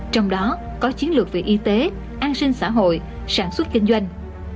trong đó có chiến lược về y tế an sinh xã hội sản xuất kinh doanh